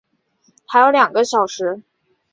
还有两个小时